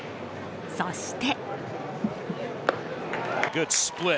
そして。